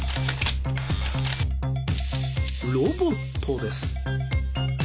ロボットです。